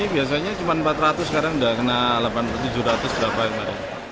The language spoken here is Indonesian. ini biasanya cuma empat ratus sekarang udah kena delapan ratus tujuh ratus berapa kemarin